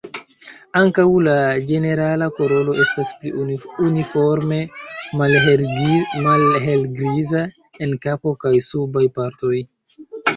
Ankaŭ la ĝenerala koloro estas pli uniforme malhelgriza en kapo kaj subaj partoj.